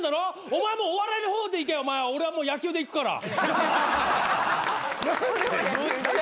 お前もうお笑いの方でいけ俺はもう野球でいくから。